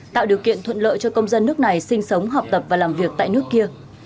tạo điều kiện thuận lợi cho công dân nước này sinh sống học tập và làm việc tại nước kia